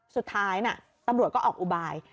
สุดท้ายตำรวจก็ออกอุบาย